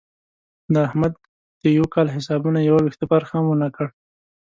د احمد د یوه کال حسابونو یو وېښته فرق هم ونه کړ.